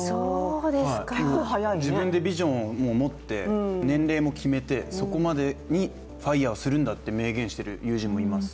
自分でビジョンをもう持って、年齢も決めて、そこまでにＦＩＲＥをするんだと明言している友人もいます。